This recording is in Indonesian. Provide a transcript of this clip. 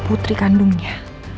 ada apa apa ya